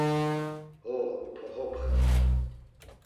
Ho, Poxopxe.